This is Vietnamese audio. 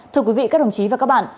thưa quý vị các đồng chí và các bạn